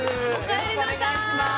よろしくお願いします